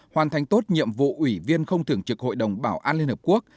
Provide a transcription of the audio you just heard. hoàn thành tốt nhiệm vụ ủy viên không thường trực hội đồng bảo an liên hợp quốc